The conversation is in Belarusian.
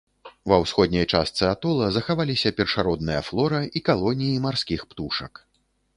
Ва ўсходняй частцы атола захаваліся першародная флора і калоніі марскіх птушак.